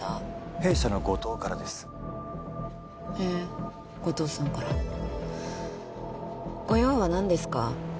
弊社の後藤からですへえ後藤さんからご用は何ですか？